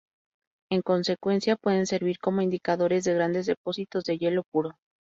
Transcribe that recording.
En consecuencia, pueden servir como indicadores de grandes depósitos de hielo puro.